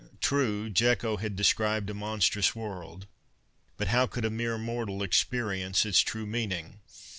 True, Jeko had described a monstrous world; but how could a mere mortal experience its true meaning?